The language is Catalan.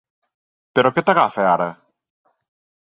Però què t'agafa, ara?